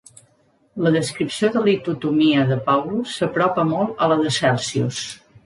La descripció de litotomia de Paulus s'apropa molt a la de Celsius.